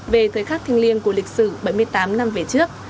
về thời khắc thiêng liêng của lịch sử bảy mươi tám năm về trước